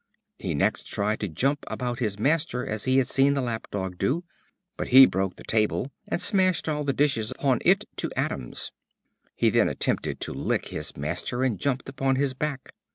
He next tried to jump about his master as he had seen the Lap dog do, but he broke the table and smashed all the dishes upon it to atoms. He then attempted to lick his master, and jumped upon his back.